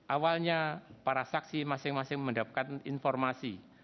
awalnya para saksi masing masing mendapatkan informasi